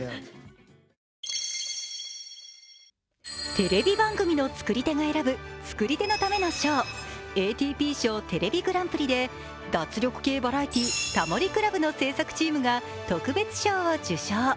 テレビ番組の創り手が選ぶ創り手のための賞、ＡＴＰ賞テレビグランプリで脱力系バラエティー「タモリ倶楽部」の制作チームが特別賞を受賞。